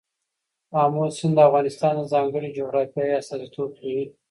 آمو سیند د افغانستان د ځانګړي جغرافیه استازیتوب کوي.